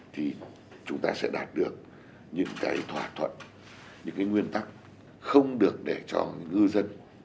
thì chúng ta sẽ đạt được những thỏa thuận những nguyên tắc không được để cho ngư dân